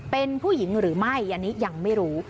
เป็นผู้หญิงหรือไม่อันนี้ยังไม่รู้